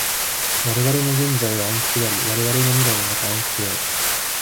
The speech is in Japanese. われわれの現在は暗黒であり、われわれの未来もまた暗黒である。